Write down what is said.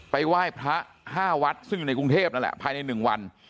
ไหว้พระ๕วัดซึ่งอยู่ในกรุงเทพนั่นแหละภายใน๑วัน